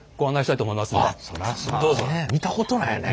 見たことないよね